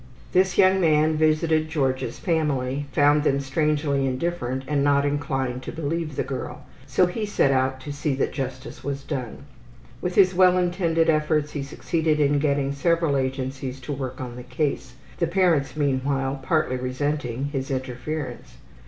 This young man visited Georgia's family, found them strangely indifferent and not inclined to believe the girl, so he set out to see that justice was done. With his well intended efforts he succeeded in getting several agencies to work on the case, the parents meanwhile partly resenting his interference.